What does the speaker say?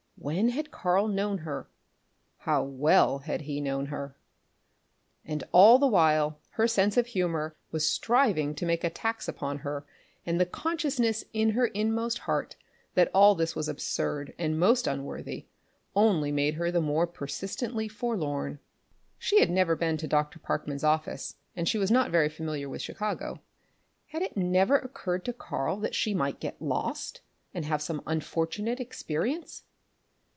When had Karl known her? How well had he known her? And all the while her sense of humour was striving to make attacks upon her and the consciousness in her inmost heart that all this was absurd and most unworthy only made her the more persistently forlorn. She had never been to Dr. Parkman's office, and she was not very familiar with Chicago had it never occurred to Karl she might get lost and have some unfortunate experience?